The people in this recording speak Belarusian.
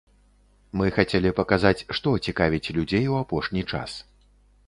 Мы хацелі паказаць, што цікавіць людзей у апошні час.